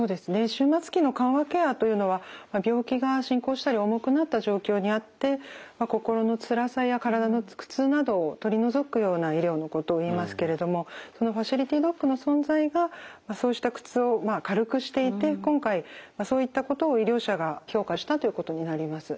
終末期の緩和ケアというのは病気が進行したり重くなった状況にあって心のつらさや体の苦痛などを取り除くような医療のことをいいますけれどもそのファシリティドッグの存在がそうした苦痛を軽くしていて今回そういったことを医療者が評価したということになります。